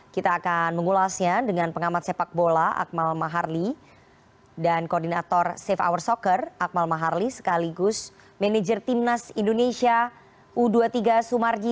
kita akan mengulasnya dengan pengamat sepak bola akmal maharli dan koordinator safe hour soccer akmal maharli sekaligus manajer timnas indonesia u dua puluh tiga sumarji